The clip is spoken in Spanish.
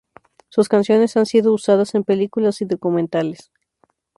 Sus canciones han sido usadas en películas y documentales.